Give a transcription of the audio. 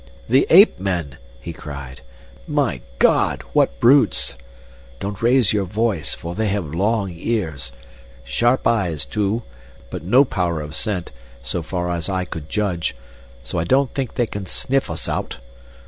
"The ape men," he cried. "My God, what brutes! Don't raise your voice, for they have long ears sharp eyes, too, but no power of scent, so far as I could judge, so I don't think they can sniff us out.